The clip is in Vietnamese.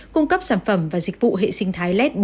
cung cấp sản phẩm và dịch vụ hệ sinh thái let bốn